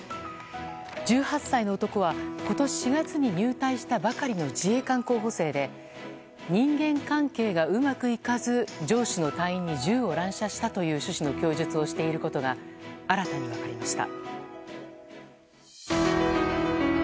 １８歳の男は今年４月に入隊したばかりの自衛官候補生で人間関係がうまくいかず上司の隊員に銃を乱射したという趣旨の供述をしていることが新たに分かりました。